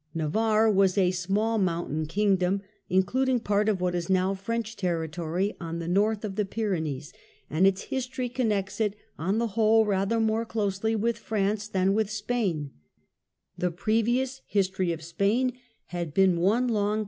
Navarre was a small mountain Kingdom, SPAIN & PORTUGAL XIV CENTURY including part of what is now French territory on the North of the Pyrenees ; and its history connects it, on the whole, rather more closely with France than with Spain, The previous history of Spain had been one long Social con • 1 i!